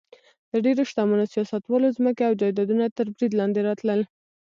د ډېرو شتمنو سیاستوالو ځمکې او جایدادونه تر برید لاندې راتلل.